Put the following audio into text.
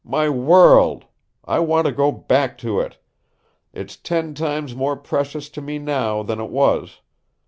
MY WORLD! I want to go back to it. It's ten times more precious to me now than it was.